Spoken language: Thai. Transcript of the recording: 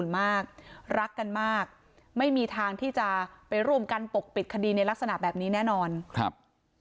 มากรักกันมากไม่มีทางที่จะไปร่วมกันปกปิดคดีในลักษณะแบบนี้แน่นอนครับ